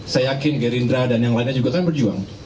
saya yakin gerindra dan yang lainnya juga kan berjuang